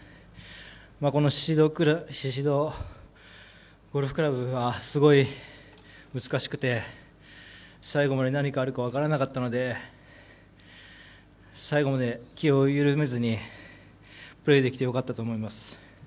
この宍戸ゴルフクラブはすごい難しくて最後まで何があるか分からなかったので最後まで気を緩めずにプレーできてよかったと思います。